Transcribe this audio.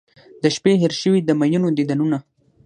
د شپې هیر شوي د میینو دیدنونه